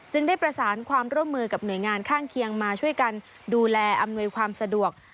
ได้ประสานความร่วมมือกับหน่วยงานข้างเคียงมาช่วยกันดูแลอำนวยความสะดวก